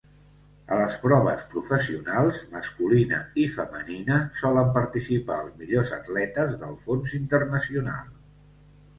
A les proves professionals, masculina i femenina, solen participar els millors atletes del fons internacional.